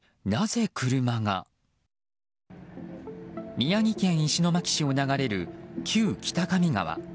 宮城県石巻市を流れる旧北上川。